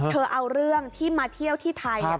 เธอเอาเรื่องที่มาเที่ยวที่ไทย